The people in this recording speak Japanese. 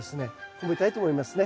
褒めたいと思いますね。